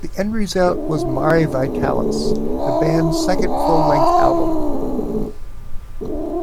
The end result was "Mare Vitalis", the band's second full-length album.